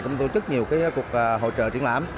cũng tổ chức nhiều cuộc hỗ trợ triển lãm